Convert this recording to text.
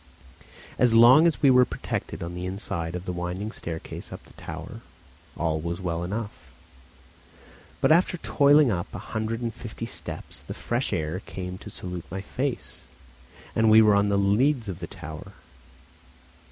As long as we were protected on the inside of the winding staircase up the tower, all was well enough; but after toiling up a hundred and fifty steps the fresh air came to salute my face, and we were on the leads of the tower.